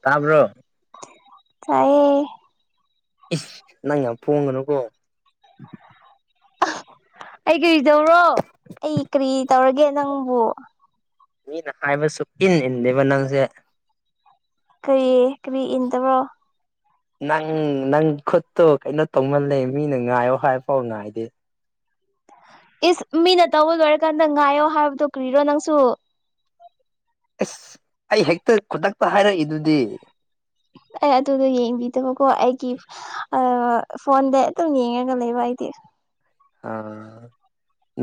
ꯇꯥꯕ꯭ꯔꯣ ꯇꯥꯌꯦ ꯅꯪ ꯌꯥꯝ ꯄꯣꯡꯒꯅꯨꯀꯣ ꯑꯩ ꯀꯔꯤ ꯇꯧꯔꯣ ꯑꯩ ꯀꯔꯤ ꯇꯧꯔꯒꯦ ꯅꯪꯕꯨ ꯃꯤꯅ ꯍꯥꯏꯕ ꯁꯨꯛꯏꯟ ꯏꯟꯗꯦꯕ ꯅꯪꯁꯦ ꯀꯔꯤ ꯀꯔꯤ ꯏꯟꯗꯕ꯭ꯔꯣ ꯅꯪ ꯅꯪ ꯈꯨꯠꯇꯣ ꯀꯩꯅꯣ ꯇꯧꯃꯜꯂꯦ ꯃꯤꯅ ꯉꯥꯏꯌꯣ ꯍꯥꯏꯕꯐꯥꯎ ꯉꯥꯏꯗꯦ ꯏꯁ ꯃꯤꯅ ꯇꯧꯕ ꯂꯣꯏꯔꯀꯥꯟꯗ ꯉꯥꯏꯌꯣ ꯍꯥꯏꯕꯗꯨꯣ ꯀꯨꯏꯔꯣ ꯅꯪꯁꯨ ꯑꯁ ꯑꯩ ꯍꯦꯛꯇ ꯈꯨꯗꯛꯇ ꯍꯥꯏꯔꯛꯏꯗꯨꯗꯤ ꯑꯦ ꯑꯗꯨꯗꯣ ꯌꯦꯡꯕꯤꯗꯕꯀꯣ ꯑꯩꯒꯤ꯫ [unintelligible] ꯐꯣꯟꯗ ꯑꯗꯨꯝ ꯌꯦꯡꯉꯒ ꯂꯩꯕ ꯑꯩꯗꯤ꯫ ꯑ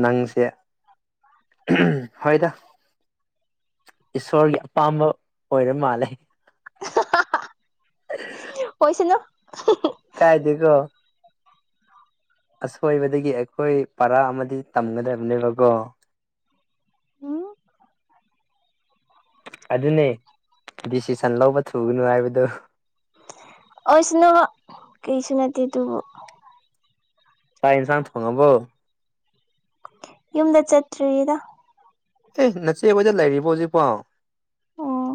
ꯅꯪꯁꯦ ꯍꯣꯏꯗ꯫ ꯏꯁꯣꯔꯒꯤ ꯑꯄꯥꯝꯕ ꯑꯣꯏꯔ ꯃꯥꯜꯂꯦ꯫ ꯑꯣꯏꯁꯅꯣ꯫ ꯀꯥꯏꯗꯀꯣ ꯑꯁꯣꯏꯕꯗꯒꯤ ꯑꯩꯈꯣꯏ ꯄꯔꯥ ꯑꯃꯗꯤ ꯇꯝꯒꯗꯕꯅꯦꯕꯀꯣ꯫ ꯎꯝ ꯑꯗꯨꯅꯦ ꯗꯤꯁꯤꯁꯟ ꯂꯧꯕ ꯊꯨꯒꯅꯨ ꯍꯥꯏꯕꯗꯨ꯫ ꯑꯣꯏꯁꯨꯅꯨ ꯀꯩꯁꯨ ꯅꯠꯇꯦꯗꯨꯕꯨ꯫ ꯆꯥꯛ ꯌꯦꯟꯁꯥꯡ ꯊꯣꯡꯉꯕꯣ꯫ ꯌꯨꯝꯗ ꯆꯠꯇ꯭ꯔꯤꯗ꯫ ꯑꯦ ꯅꯆꯦ ꯈꯣꯏꯗ ꯂꯩꯔꯤꯕꯣ ꯍꯧꯖꯤꯛꯐꯥꯎ꯫ ꯎꯝ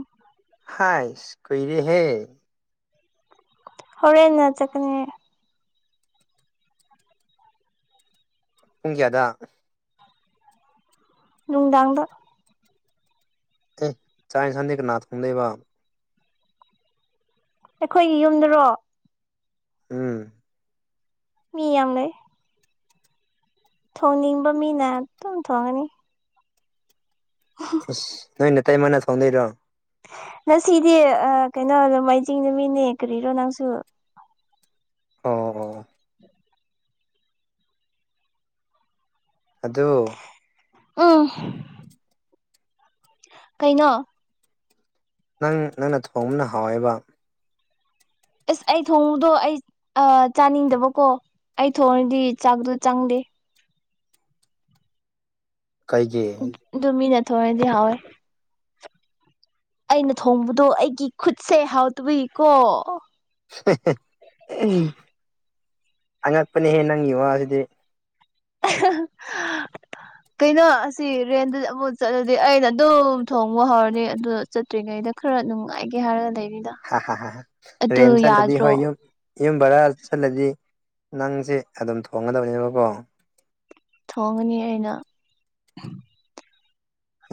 ꯍꯥꯏꯁ ꯀꯨꯏꯔꯦꯍꯦ꯫ ꯍꯣꯔꯦꯟꯅ ꯆꯠꯀꯅꯤ꯫ ꯄꯨꯡ ꯀꯌꯥꯗ꯫ ꯅꯨꯡꯗꯥꯥꯡꯗ꯫ ꯑꯦ ꯆꯥꯛ ꯏꯟꯖꯥꯡꯗꯤ ꯀꯅꯥ ꯊꯣꯡꯗꯣꯏꯕ ꯫ ꯑꯩꯈꯣꯏꯒꯤ ꯌꯨꯝꯗꯔꯣ? ꯎꯝ ꯃꯤ ꯌꯥꯝ ꯂꯩ꯫ ꯊꯣꯡꯅꯤꯡꯕ ꯃꯤꯅ ꯑꯗꯨꯝ ꯊꯣꯡꯉꯅꯤ꯫ ꯑꯁ ꯅꯣꯏ ꯅꯇꯩꯃꯅꯥ ꯊꯣꯡꯗꯣꯏꯔꯣ? ꯉꯁꯤꯗꯤ ꯑ ꯀꯩꯅꯣ ꯅꯣꯡꯃꯥꯏꯖꯤꯡ ꯅꯨꯃꯤꯠꯅꯦ ꯀꯔꯤꯔꯣ ꯅꯪꯁꯨ꯫ ꯑꯣ ꯑꯣ ꯑꯗꯨ ꯑ [unintelligible] ꯀꯩꯅꯣ? ꯅꯪ ꯅꯪꯅ ꯊꯣꯡꯕꯅ ꯍꯥꯎꯋꯦꯕ꯫ ꯑꯁ ꯑꯩ ꯊꯣꯡꯕꯗꯣ ꯑꯩ ꯑ ꯆꯥꯅꯤꯡꯗꯕꯀꯣ ꯑꯩ ꯊꯣꯡꯉꯗꯤ ꯆꯥꯛꯇꯣ ꯆꯪꯗꯦ꯫ ꯀꯩꯒꯤ? ꯑꯗꯨ ꯃꯤꯅ ꯊꯣꯡꯔꯗꯤ ꯍꯥꯎꯋꯦ꯫ ꯑꯩꯅ ꯊꯣꯡꯕꯗꯣ ꯑꯩꯒꯤ ꯈꯨꯠꯁꯦ ꯍꯥꯎ ꯇꯕꯨꯏꯀꯣ꯫ [unintelligible] ꯑꯉꯛꯄꯅꯦꯍꯦ ꯅꯪꯒꯤ ꯋꯥꯁꯤꯗꯤ꯫ [unintelligible] ꯀꯩꯅꯣ ꯑꯁꯤ ꯔꯦꯟꯗ ꯑꯃꯨꯛ ꯆꯠꯂꯗꯤ ꯑꯩꯅ ꯑꯗꯨꯝ ꯊꯣꯡꯕ ꯍꯧꯔꯅꯤ ꯑꯗꯨ꯫ ꯆꯠꯇ꯭ꯔꯤꯉꯩꯗ ꯈꯔ ꯅꯨꯡꯉꯥꯏꯒꯦ ꯍꯥꯏꯔꯒ ꯂꯩꯕꯤꯗ ꯍꯥ ꯍꯥ ꯍꯥ ꯔꯦꯟ ꯆꯠꯂꯗꯤ ꯍꯣꯏ ꯌꯨꯝ____ ꯌꯨꯝ ꯕꯔꯥ ꯆꯠꯂꯗꯤ ꯅꯪꯁꯦ ꯑꯗꯨꯝ ꯊꯣꯡꯒꯗꯕꯅꯦꯕꯀꯣ꯫ ꯊꯣꯡꯉꯅꯤ ꯑꯩꯅ꯫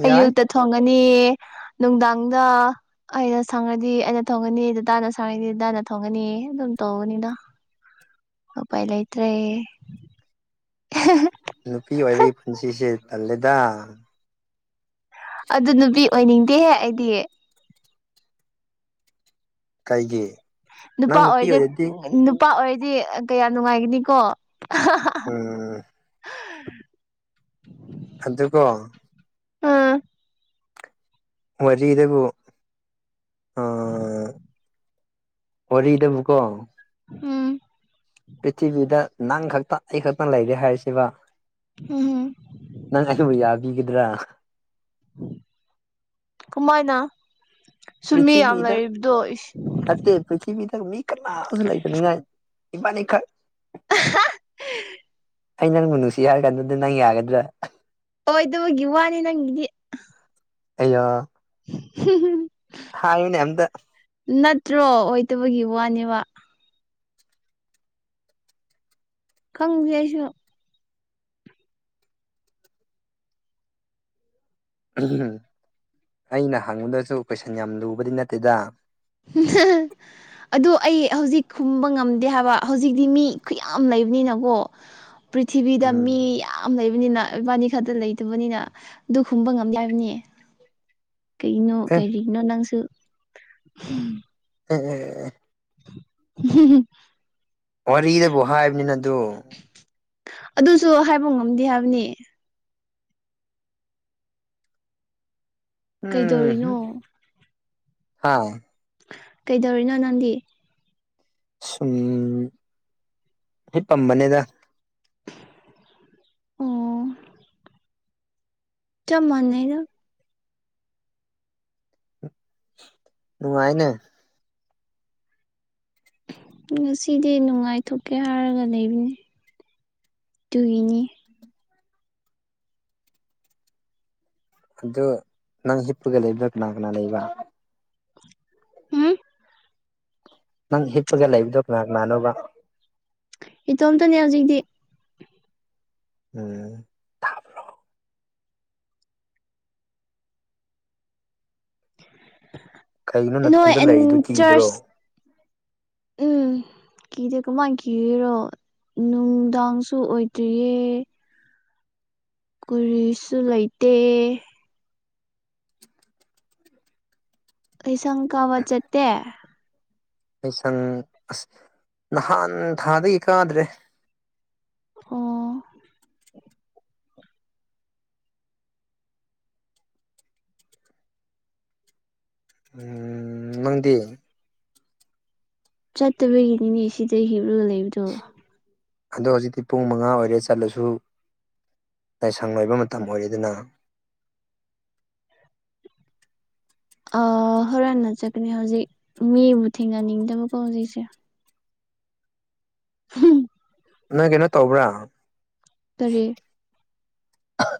ꯌꯥꯏ ꯑꯌꯨꯛꯇ ꯊꯣꯡꯉꯅꯤ ꯅꯨꯡꯗꯥꯡꯗ꯫ ꯑꯩꯅ ꯁꯪꯉꯗꯤ ꯑꯩꯅ ꯊꯣꯡꯒꯅꯤ ꯗꯗꯥꯅ ꯁꯪꯉꯗꯤ ꯗꯗꯥꯅ ꯊꯣꯡꯒꯅꯤ ꯑꯗꯨꯝ ꯇꯧꯕꯅꯤꯗ꯫ ꯎꯄꯥꯏ ꯂꯩꯇ꯭ꯔꯦ꯫ ꯑꯁ ꯅꯨꯄꯤ ꯑꯣꯏꯕꯒꯤ ꯄꯨꯟꯁꯤꯁꯦ ꯇꯜꯂꯦꯗ꯫ ꯑꯗꯨ ꯅꯨꯄꯤ ꯑꯣꯏꯅꯤꯡꯗꯦꯍꯦ ꯑꯩꯗꯤ꯫ ꯀꯩꯒꯤ? ꯅꯨꯄꯥ ꯅꯪ ꯅꯨꯄꯤ ꯑꯣꯏꯔꯗꯤ ꯅꯨꯄꯥ ꯑꯣꯏꯔꯗꯤ ꯀꯌꯥꯝ ꯅꯨꯡꯉꯥꯏꯒꯅꯤꯀꯣ ___ [unintelligible] ꯎ [inaudible] ꯑꯗꯨꯀꯣ ꯑꯝ ꯋꯥꯔꯤꯗꯕꯨ ꯑ______ ꯋꯥꯔꯤꯗꯕꯨꯀꯣ ꯎꯝ ꯄ꯭ꯔꯤꯊꯤꯕꯤꯗ ꯅꯪ ꯈꯛꯇ ꯑꯩ ꯈꯛꯇ ꯂꯩꯔꯦ ꯍꯥꯏꯔꯥꯁꯦꯕ ꯎꯝ ꯍꯨꯝ ꯅꯪ ꯑꯩꯕꯨ ꯌꯥꯕꯤꯒꯗ꯭ꯔꯥ ꯀꯨꯃꯥꯏꯅ ꯁꯨꯝꯃꯤ ꯌꯥꯝ ꯄ꯭ꯔꯤꯊꯤꯕꯤꯗ ꯂꯩꯔꯤꯕꯗꯣ ꯏꯁ ꯅꯠꯇꯦ ꯄ꯭ꯔꯤꯊꯤꯕꯤꯗ ꯃꯤ ꯀꯅꯥꯁꯨ ꯂꯩꯇꯥꯅꯤꯡꯉꯥꯏ ꯏꯕꯥꯅꯤꯈꯛ ꯑꯍꯥ ꯑꯩ ꯅꯪꯕꯨ ꯅꯨꯡꯁꯤ ꯍꯥꯏꯔꯥ ꯀꯥꯟꯗꯗꯤ ꯅꯪ ꯌꯥꯒꯗ꯭ꯔꯥ ꯑꯣꯏꯗꯕꯒꯤ ꯋꯥꯅꯤ ꯅꯪꯒꯤꯗꯤ ꯑꯩꯌꯥ [unintelligible] ꯍꯥꯏꯌꯨꯅꯦ ꯑꯝꯇꯥ ꯅꯠꯇ꯭ꯔꯣ ꯑꯣꯏꯗꯕꯒꯤ ꯋꯥꯅꯦꯕ ꯈꯪꯗꯤ ꯑꯩꯁꯨ ꯎꯝ ꯍꯝ ꯑꯩꯅ ꯍꯪꯕꯗꯁꯨ ꯀꯣꯏꯁꯟ ꯌꯥꯝ ꯂꯨꯕꯗꯤ ꯅꯠꯇꯦꯗ ꯥ [unintelligible] ꯑꯗꯨ ꯑꯩ ꯍꯧꯖꯤꯛ ꯈꯨꯝꯕ ꯉꯝꯗꯦ ꯍꯥꯏꯕ ꯍꯧꯖꯤꯛꯇꯤ ꯃꯤ ꯈꯨꯌꯥꯝ ꯂꯩꯕꯅꯤꯅꯀꯣ ꯄ꯭ꯔꯤꯊꯤꯕꯤꯗ ꯎꯝ ꯃꯤ ꯌꯥꯝ ꯌꯥꯝ ꯂꯩꯕꯅꯤꯅ ꯏꯕꯥꯅꯤ ꯈꯛꯇ ꯂꯩꯇꯕꯅꯤꯅ ꯑꯗꯨ ꯈꯨꯝꯕ ꯉꯝꯗꯦ ꯍꯥꯏꯕꯅꯤꯅꯦ ꯀꯩꯒꯤꯅꯣ ꯑꯦ ꯀꯔꯤꯒꯤꯅꯣ ꯅꯪꯁꯨ ꯑꯦ-ꯑꯦ-ꯑꯦ-ꯑꯦ ꯍꯝ-ꯍꯝ ꯋꯥꯔꯤꯗꯕꯨ ꯍꯥꯏꯕꯅꯤꯅ ꯑꯗꯨ ꯑꯗꯨꯁꯨ ꯍꯥꯏꯕ ꯉꯝꯗꯦ ꯍꯥꯏꯕꯅꯤ ꯎꯝ ꯍꯨꯝ ꯀꯩꯗꯧꯔꯤꯅꯣ ꯑꯥ ꯀꯩꯗꯧꯔꯤꯅꯣ ꯅꯪꯗꯤ ꯁꯨꯝ ꯍꯤꯞ ꯄꯝꯕꯅꯦꯗ ꯑꯣ ꯆꯝ ꯃꯥꯅꯩꯅ ꯅꯨꯡꯉꯥꯏꯅꯦ ꯉꯁꯤꯗꯤ ꯅꯨꯡꯉꯥꯏꯊꯣꯛꯀꯦ ꯍꯥꯏꯔꯒ ꯂꯩꯕꯅꯤ ꯇꯨꯏꯅꯤ ꯑꯗꯨ ꯅꯪ ꯍꯤꯞꯄꯒ ꯂꯩꯕ ꯀꯅꯥ-ꯀꯅꯥ ꯂꯩꯕ ꯎꯝ ꯅꯪ ꯍꯤꯞꯄꯒ ꯂꯩꯕꯗꯣ ꯀꯅꯥ- ꯀꯅꯥꯅꯣꯕ ꯏꯇꯣꯝꯇꯅꯦ ꯍꯧꯖꯤꯛꯗꯤ ꯎꯝ ꯀꯩꯅꯣ ꯅꯣꯏ ꯅꯇꯣꯝꯇ ꯑꯟ ꯂꯩꯔꯤꯗꯨ ꯆ꯭ꯔꯆ ꯀꯤꯗ꯭ꯔꯣ ꯎꯝ ꯀꯤꯗꯦ ꯀꯃꯥꯏ ꯀꯤꯔꯤꯔꯣ ꯅꯨꯡꯗꯥꯡꯁꯨ ꯑꯣꯏꯗ꯭ꯔꯤꯌꯦ ꯀꯨꯔꯤꯁꯨ ꯂꯩꯇꯦ ꯑꯩꯁꯪ ꯀꯕꯥ ꯆꯠꯇꯦ ꯂꯩꯁꯪ ꯑꯁ ꯅꯍꯥꯟ ꯊꯥꯗꯩ ꯀꯥꯗ꯭ꯔꯦ ꯑꯣ ꯎꯝ ꯅꯪꯗꯤ ꯆꯠꯇꯕꯒꯤꯅꯤꯅꯦ ꯁꯤꯗꯩ ꯍꯤꯞꯂꯒ ꯂꯩꯕꯗꯣ ꯑꯗꯣ ꯍꯧꯖꯤꯛꯇꯤ ꯄꯨꯡ ꯃꯉꯥ ꯑꯣꯏꯔꯦ ꯆꯠꯂꯁꯨ ꯂꯥꯏꯁꯪ ꯂꯣꯏꯕ ꯃꯇꯝ ꯑꯣꯏꯔꯦꯗꯅ ꯑꯥ ꯍꯣꯔꯦꯟ ꯅꯆꯠꯀꯅꯤ ꯍꯧꯖꯤꯛ ꯃꯤꯕꯨ ꯊꯦꯡꯅꯅꯤꯡꯗꯕꯀꯣ ꯍꯧꯖꯤꯛꯁꯦ ꯎꯝ ꯅꯪ ꯀꯩꯅꯣ ꯇꯧꯕ꯭ꯔꯥ ꯀꯥꯔꯤ ꯑꯍꯥ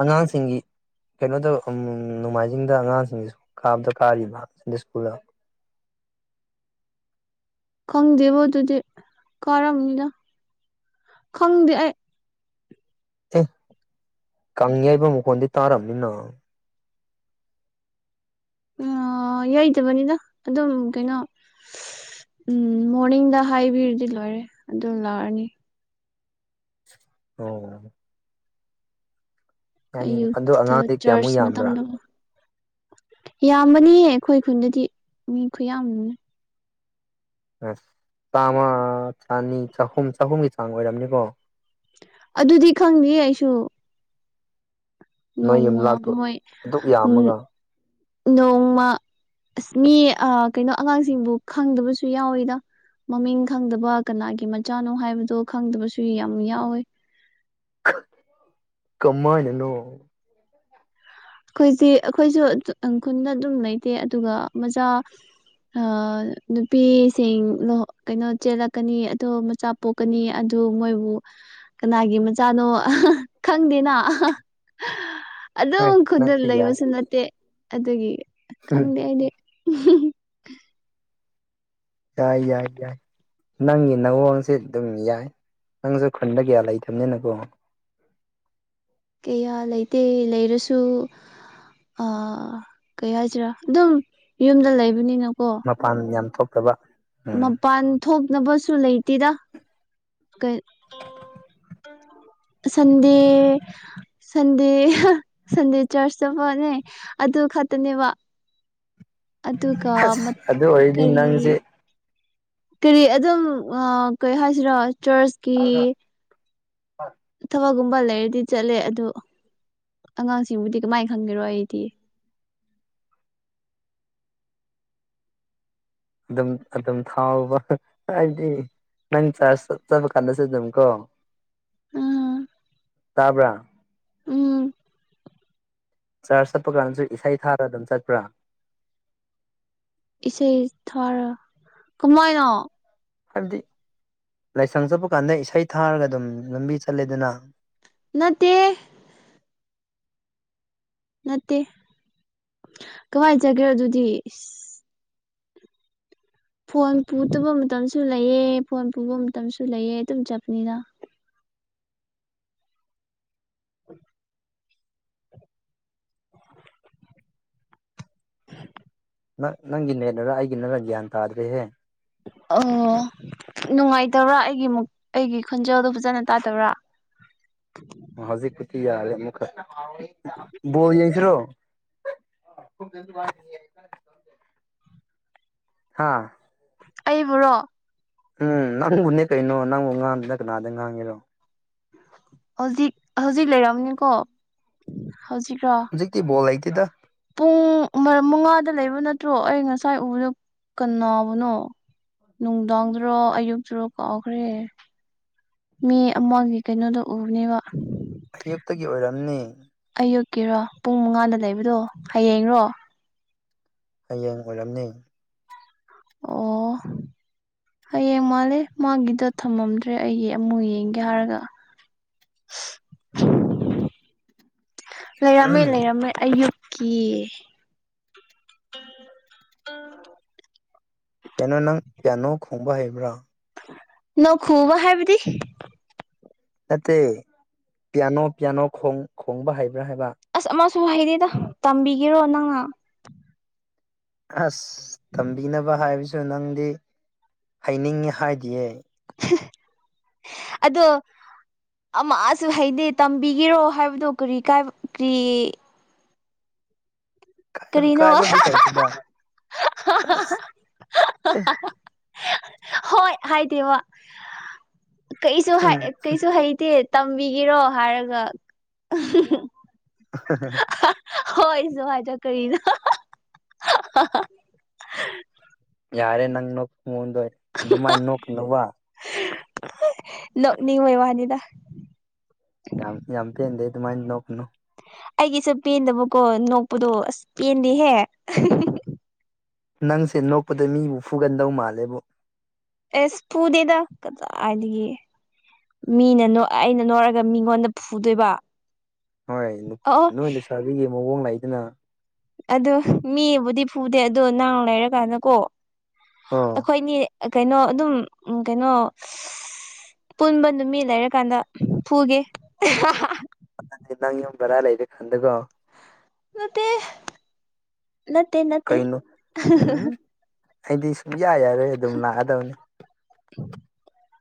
ꯑꯉꯥꯡꯁꯤꯡꯒꯤ꯫ ꯀꯩꯅꯣꯗ ꯑꯝ ꯅꯣꯡꯃꯥꯏꯖꯤꯡꯗ ꯑꯉꯥꯡꯁꯤꯡꯁꯤ ꯁꯨ꯭ꯀ ꯀꯥꯕꯗ ꯀꯥꯔꯤꯕꯗ ꯁ꯭ꯀꯨꯜꯗ꯫ ꯈꯪꯗꯦꯕꯣ ꯑꯗꯨꯗꯤ ꯀꯥꯔꯝꯅꯤꯅ ꯈꯪꯗꯦ ꯑꯩ ꯑꯦ ꯀꯪ ꯌꯩꯕ ꯃꯈꯣꯟꯗꯤ ꯇꯥꯔꯝꯅꯤꯅ꯫ ꯎꯝ ꯌꯩꯗꯕꯅꯤꯅ ꯑꯗꯨꯝ ꯀꯩꯅꯣ ꯎꯝ ꯃꯣꯔꯅꯤꯡꯗ ꯍꯥꯏꯕꯤꯔꯗꯤ ꯂꯣꯏꯔꯦ ꯑꯗꯨꯝ ꯂꯥꯛꯔꯅꯤ꯫ ꯑꯣ꯫ ꯌꯥꯅꯤ ꯑꯗꯣ ꯑꯌꯨꯊꯗ ꯑꯉꯥꯡꯗꯤ ꯀꯌꯥꯃꯨꯛ ꯆꯔꯆ ꯌꯥꯝꯕ꯭ꯔꯥ ꯃꯇꯝꯗ ꯌꯥꯝꯕꯅꯤ ꯑꯩꯈꯣꯏ ꯈꯨꯟꯗꯗꯤ ꯃꯤ ꯈꯨꯌꯥꯝ ꯑꯁ ꯆꯥꯝꯃ ꯆꯅꯤ ꯆꯍꯨꯝ ꯆꯍꯨꯝꯒꯤ ꯆꯥꯡ ꯑꯣꯏꯔꯝꯅꯤꯀꯣ꯫ ꯑꯗꯨꯗꯤ ꯈꯪꯗꯦ ꯑꯩꯁꯨ ꯫ ꯅꯣꯏ ꯅꯣꯡꯃ ꯌꯨꯝꯂꯛꯇꯣ ꯃꯣꯏ ꯑꯗꯨꯛ ꯎꯝ ꯌꯥꯝꯃꯒ ꯅꯣꯡꯃ ꯑꯁ ꯃꯤ ꯑ ꯀꯩꯅꯣ ꯑꯉꯥꯡꯁꯤꯡꯕꯨ ꯈꯪꯗꯕꯁꯨ ꯌꯥꯎꯋꯤꯗ꯫ ꯃꯃꯤꯡ ꯈꯪꯗꯕ ꯀꯅꯥꯒꯤ ꯃꯆꯥꯅꯣ ꯍꯥꯏꯕꯗꯣ ꯈꯪꯗꯕꯁꯨ ꯌꯥꯝ ꯌꯥꯎꯋꯦ꯫ ꯀꯃꯥꯏꯅꯅꯣ꯫ ꯑꯈꯣꯏꯖꯤ ꯑꯈꯣꯏꯁꯨ ꯑ ꯈꯨꯜꯗ ꯑꯗꯨꯝ ꯂꯩꯇꯦ ꯑꯗꯨꯒ ꯃꯆꯥꯥ ꯑ ꯅꯨꯄꯤꯁꯤꯡ ꯗꯣ ꯀꯩꯅꯣ ꯆꯦꯜꯂꯛꯀꯅꯤ ꯑꯗꯣ ꯃꯆꯥ ꯄꯣꯛꯀꯅꯤ ꯑꯗꯨ ꯃꯣꯏꯕꯨ꯫ ꯀꯅꯥꯒꯤ ꯃꯆꯥꯅꯣ ꯑꯍꯥ ꯑꯍꯥ ꯈꯪꯗꯦꯅ꯫ ꯍꯣꯏ ꯑꯗꯨꯝ ꯈꯨꯜꯗ ꯅꯪꯁꯨ ꯌꯥꯏ ꯂꯩꯕꯁꯨ ꯅꯠꯇꯦ ꯑꯗꯨꯒꯤ ꯎꯝ ꯈꯪꯗꯦ ꯑꯩꯗꯤ꯫ ꯌꯥꯏ ꯌꯥꯏ ꯌꯥꯏ꯫ ꯅꯪꯒꯤ ꯅꯋꯣꯡꯁ ꯑꯗꯨꯝ ꯌꯥꯏ ꯅꯪꯁꯨ ꯈꯨꯟꯗ ꯀꯌꯥ ꯂꯩꯇꯕꯅꯤꯅꯀꯣ꯫ ꯀꯌꯥ ꯂꯩꯇꯦ ꯂꯩꯔꯁꯨ ꯑꯥ ꯀꯩ ꯍꯥꯏꯁꯤꯔꯥ ꯑꯗꯨꯝ ꯌꯨꯝꯗ ꯂꯩꯕꯅꯤꯅꯀꯣ꯫ ꯃꯄꯥꯟ ꯌꯥꯝ ꯊꯣꯛꯇꯕ꯫ ꯎꯝ ꯃꯄꯥꯟ ꯊꯣꯛꯅꯕꯁꯨ ꯂꯩꯇꯦꯗ ꯀꯩ ꯁꯟꯗꯦ꯫ ꯁꯟꯗꯦ ꯍꯥ ꯁꯟꯗꯦ ꯆꯔꯆ ꯆꯠꯄꯅꯦ ꯑꯗꯨ ꯈꯛꯇꯅꯦꯕ꯫ ꯑꯗꯨꯒ ꯑꯁ ꯑꯗꯨ ꯑꯣꯏꯔꯗꯤ ꯀꯔꯤ꯫ ꯅꯪꯁꯦ ꯀꯔꯤ ꯑꯗꯨꯝ ꯑ ꯀꯩ ꯍꯥꯏꯁꯤꯔꯥ ꯆꯔꯆꯀꯤ ꯊꯕꯛꯒꯨꯝꯕ ꯂꯩꯔꯗꯤ ꯆꯠꯂꯦ ꯑꯗꯨ ꯑꯉꯥꯡꯁꯤꯡꯕꯨꯗꯤ ꯀꯃꯥꯏꯅ ꯈꯪꯒꯦꯔꯣ ꯑꯩꯗꯤ꯫ ꯑꯗꯨꯝ ꯑꯗꯨꯝ ꯊꯥꯎꯕ ꯍꯥꯏꯗꯤ꯫ ꯅꯪ ꯆꯔ꯭ꯆ ꯆꯠꯄꯀꯥꯟꯗꯁꯨ ꯗꯨꯝꯀꯣ꯫ ꯑꯥ ꯇꯥꯕ꯭ꯔꯥ꯫ ꯎꯝ꯫ ꯆꯥꯔꯆ ꯆꯠꯄ ꯀꯥꯟꯗꯁꯨ ꯏꯁꯩ ꯊꯥꯔꯒ ꯑꯗꯨꯝ ꯆꯠꯄ꯭ꯔꯥ꯫ ꯏꯁꯩ ꯊꯔ ꯀꯃꯥꯏꯅ꯫ ꯍꯥꯏꯕꯗꯤ ꯂꯥꯏꯁꯪ ꯆꯠꯄ ꯀꯥꯟꯗ ꯏꯁꯩ ꯊꯥꯔꯒ ꯑꯗꯨꯝ ꯂꯝꯕꯤ ꯆꯠꯂꯦꯗꯅ꯫ ꯅꯠꯇꯦ꯫ ꯅꯠꯇꯦ ꯀꯃꯥꯏ ꯆꯠꯀꯦꯔꯥ ꯑꯗꯨꯗꯤ ꯏꯁ꯫ ꯐꯣꯟ ꯄꯨꯗꯕ ꯃꯇꯝꯁꯨ ꯂꯩꯑꯦ ꯐꯣꯟ ꯄꯨꯕ ꯃꯇꯝꯁꯨ ꯂꯩꯌꯦ ꯑꯗꯨꯝ ꯆꯞꯄꯅꯤꯅ꯫ ꯅꯪ ꯅꯪꯒꯤ ꯅꯦꯠꯂꯔ ꯑꯩꯒꯤ ꯅꯔ ꯒ꯭ꯌꯥꯟ ꯇꯥꯗ꯭ꯔꯦꯍꯦ꯫ ꯑꯣ ꯅꯨꯡꯉꯥꯏꯇꯕ ꯑꯩꯒꯤ ꯃꯨꯛ ꯑꯩꯒꯤ ꯈꯨꯣꯟꯖꯦꯜꯗꯨ ꯐꯖꯅ ꯇꯥꯗꯕꯔꯥ꯫ ꯍꯧꯖꯤꯛ [unintelligible] ꯕꯣꯜ ꯌꯥꯁꯤ꯭ꯔꯣ [unintelligible] ꯍꯥꯥ꯫ ꯑꯩꯕꯨꯔꯣ꯫ ꯎꯝ ꯅꯪꯕꯨꯅꯦ ꯀꯩꯅꯣ ꯅꯪꯕꯨ ꯉꯥꯡꯗꯅ ꯀꯅꯥꯗ ꯉꯥꯡꯉꯦꯅꯣ꯫ ꯍꯧꯖꯤꯛ ꯍꯧꯖꯤꯛ ꯂꯩꯔꯝꯅꯤꯀꯣ ꯍꯧꯖꯤꯛꯔꯣ꯫ ꯍꯧꯖꯤꯛꯇꯤ ꯕꯣꯜ ꯂꯩꯇꯦꯗ ꯄꯨꯡ ꯃꯉꯥꯗ ꯂꯩꯕ ꯅꯠꯇ꯭ꯔꯣ ꯑꯩ ꯉꯁꯥꯏ ꯎꯕꯗ ꯀꯎꯕꯅꯣ ꯅꯨꯡꯗꯥꯡꯗꯔꯣ ꯑꯌꯨꯛꯇꯔꯣ ꯀꯥꯎꯈ꯭ꯔꯦ ꯃꯤ ꯑꯃꯒꯤ ꯀꯩꯅꯣꯗꯣ ꯎꯕꯅꯦꯕ ꯑꯌꯨꯛꯇꯒꯤ ꯑꯣꯏꯔꯝꯅꯤ ꯑꯌꯨꯛꯀꯤꯔꯣ ꯄꯨꯡ ꯃꯉꯥꯗ ꯂꯩꯕꯗꯣ ꯍꯌꯦꯡꯔꯣ ꯍꯌꯦꯡ ꯑꯣꯏꯔꯝꯅꯤ ꯑꯣ ꯍꯌꯦꯡ ꯃꯥꯜꯂꯦ ꯃꯥꯒꯤꯗ ꯊꯝꯃꯝꯗ꯭ꯔꯦ ꯑꯩꯒꯤ ꯑꯃꯨꯛ ꯌꯦꯡꯒꯦ ꯍꯥꯏꯔꯒ ꯂꯩꯔꯝꯃꯦ ꯂꯩꯔꯝꯃꯦ ꯑꯌꯨꯛꯀꯤ ꯀꯩꯅꯣ ꯅꯪ ꯄꯤꯌꯥꯅꯣ ꯈꯣꯡꯕ ꯍꯩꯕ꯭ꯔꯣ ꯅ ꯈꯨꯕ ꯍꯥꯏꯕꯗꯤ ꯅꯠꯇꯦ ꯄꯤꯌꯥꯅꯣ ꯄꯤꯌꯥꯅꯣ ꯈꯣꯡ ꯈꯣꯡꯕ ꯍꯩꯕ꯭ꯔꯥ ꯍꯥꯏꯕ ꯑꯁ ꯑꯃꯁꯨ ꯍꯩꯗꯤꯗ ꯇꯝꯕꯤꯒꯔꯣ ꯅꯪꯅ ꯑꯁ ꯇꯝꯕꯤꯅꯕ ꯍꯥꯏꯕꯁꯨ ꯅꯪꯗꯤ ꯍꯥꯏꯩꯅꯤꯡꯉꯤ ꯍꯥꯏꯗꯤꯌꯦ ꯑꯗꯣ ꯑꯃꯁꯨ ꯍꯩꯗꯦ ꯇꯝꯕꯤꯒꯦꯔꯣ ꯍꯥꯏꯕꯗꯣ ꯀꯔꯤ ꯀꯥꯏꯒ꯭ꯔꯤ ꯀꯔꯤꯅꯣ ꯀꯥꯏꯕꯕꯨꯗꯤ ꯂꯩꯇꯦꯗ ꯑꯁ ꯍꯣꯏ ꯍꯥꯏꯗꯦꯕ ꯀꯩꯁꯨ ꯎꯝ ꯀꯩꯁꯨ ꯍꯩꯇꯦ ꯇꯝꯕꯤꯒꯔꯣ ꯍꯥꯏꯔꯒ [inaudible] ꯍꯣꯏꯁꯨꯋꯥꯗꯣ ꯀꯗ ꯌꯥꯔꯦ ꯅꯪ ꯅꯣꯛꯉꯣꯟꯗꯣꯏ ꯑꯗꯨꯃꯥꯏꯅ ꯅꯣꯛꯀꯅꯨꯕ ꯅ ꯅꯤꯡ ꯑꯣꯏ ꯋꯥꯅꯤꯗ [unintelligible] ꯌꯥꯝ ꯌꯥꯝ ꯄꯦꯟꯗꯦ ꯑꯗꯨꯃꯥꯏꯅ ꯅꯣꯛꯀꯅꯨ ꯑꯩꯒꯤꯁꯨ ꯄꯦꯟꯗꯕꯀꯣ ꯅꯣꯛꯄꯗꯣ ꯑꯁ ꯄꯦꯟꯗꯦꯍꯦ ꯅꯪꯁꯦ ꯅꯣꯛꯄꯗ ꯃꯤꯕꯨ ꯐꯨꯒꯟꯗꯧ ꯃꯥꯜꯂꯦꯕꯨ ꯑꯦꯁ ꯄꯨꯗꯦꯗ ꯀꯗꯥꯒ ꯃꯤꯅ ꯑꯩꯅ ꯅꯣꯛꯔꯒ ꯃꯤꯉꯣꯟꯗ ꯐꯨꯗꯣꯏꯕ ꯍꯣꯏ ꯑꯣ ꯅꯣꯏ ꯂꯩꯁꯥꯕꯤꯒꯤ ꯃꯑꯣꯡ ꯂꯩꯗꯅ ꯑꯗꯨ ꯃꯤꯕꯨꯗꯤ ꯐꯨꯗꯦ ꯑꯗꯣ ꯅꯥꯡ ꯂꯩꯔꯀꯥꯟꯗꯀꯣ ꯑꯣ ꯑꯩꯈꯣꯏꯅꯤ ꯀꯩꯅꯣ ꯑꯗꯨꯝ ꯀꯩꯅꯣ ꯄꯨꯟꯕ ꯅꯨꯃꯤꯠ ꯂꯩꯔꯀꯥꯟꯗ ꯐꯨꯒꯦ ꯑꯗꯨꯗꯗꯤ ꯅꯪ ꯌꯨꯝ ꯕꯔꯥ ꯂꯩꯔꯦ ꯈꯟꯗꯒꯣ ꯅꯠꯇꯦ ꯅꯠꯇꯦ ꯅꯠꯇꯦ ꯀꯩꯅꯣ ꯎꯝ ꯑꯩꯗꯤ ꯁꯨꯡꯌꯥ ꯌꯥꯔꯣꯏ ꯑꯗꯨꯝ ꯂꯥꯛꯑꯗꯧꯅꯤ [inaudible]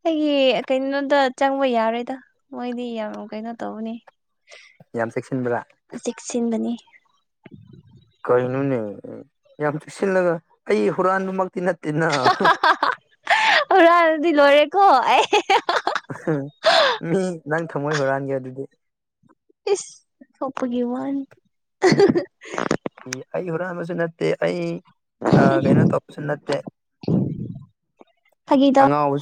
ꯑꯩꯒꯤ ꯀꯩꯅꯣꯗ ꯆꯪꯕ ꯌꯥꯔꯣꯏꯗ ꯃꯣꯏꯗꯤ ꯌꯥꯝ ꯀꯩꯅꯣ ꯇꯧꯕꯅꯤ ꯌꯥꯝ ꯆꯦꯛꯁꯤꯟꯕ꯭ꯔꯥ ꯆꯦꯛꯁꯤꯟꯕꯅꯤ ꯀꯩꯅꯣꯅꯦ ꯌꯥꯝ ꯆꯨꯞꯁꯤꯜꯂꯒ ꯑꯩ ꯍꯨꯔꯥꯟꯗꯨꯃꯛꯇꯤ ꯅꯠꯇꯦ ꯍꯨꯔꯥꯟꯗꯤ ꯂꯣꯏꯔꯦꯀꯣ ꯑꯦ ꯃꯤ ꯅꯪ ꯊꯃꯣꯏ ꯍꯨꯔꯥꯟꯒꯦ ꯑꯗꯨꯗꯤ ꯏꯁ ꯁꯄꯒꯤ ꯋꯥꯅꯤ ꯑꯩ ꯍꯨꯔꯥꯟꯕꯁꯨ ꯅꯠꯇꯦ ꯑꯩ ꯑ ꯀꯩꯅꯩꯅ ꯇꯞꯁꯤ ꯅꯠꯇꯦ ꯐꯥꯒꯤ ꯇꯧ ꯑꯉꯥꯡ